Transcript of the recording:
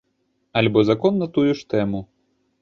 Альбо закон на тую ж тэму.